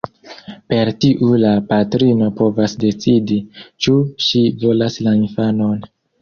Per tiu la patrino povas decidi, ĉu ŝi volas la infanon.